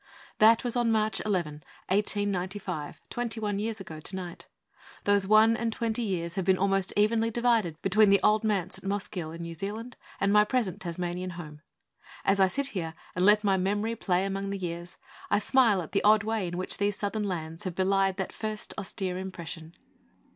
That was on March 11, 1895 twenty one years ago to night. Those one and twenty years have been almost evenly divided between the old manse at Mosgiel, in New Zealand, and my present Tasmanian home. As I sit here, and let my memory play among the years, I smile at the odd way in which these southern lands have belied that first austere impression.